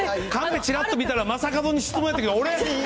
紙ちらっと見たら正門に質問やったけど、俺？